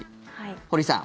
堀さん